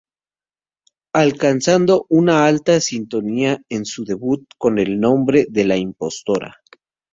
Alcanzando una alta sintonía en su debut, con el nombre de La Impostora.